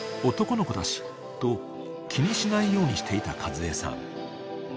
「男の子だし」と気にしないようにしていた和枝さん］